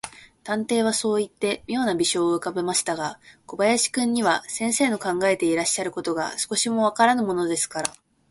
探偵はそういって、みょうな微笑をうかべましたが、小林君には、先生の考えていらっしゃることが、少しもわからぬものですから、